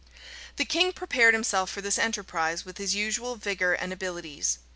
The king prepared himself for this enterprise with his usual vigor and abilities.